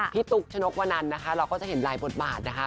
ตุ๊กชนกวนันนะคะเราก็จะเห็นหลายบทบาทนะคะ